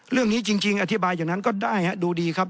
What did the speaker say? เรื่องนี้จริงอธิบายอย่างนั้นก็ได้ฮะดูดีครับ